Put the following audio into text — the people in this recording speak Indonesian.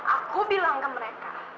aku bilang ke mereka